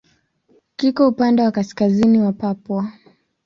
Kiko upande wa kaskazini wa Papua.